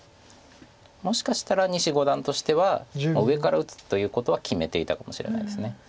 もしかしたら西五段としては上から打つということは決めていたかもしれないです。